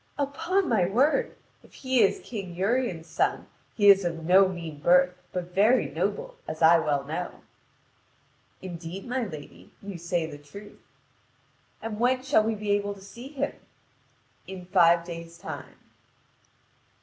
"Upon my word, if he is King Urien's son he is of no mean birth, but very noble, as I well know." "Indeed, my lady, you say the truth." "And when shall we be able to see him?" "In five days' time."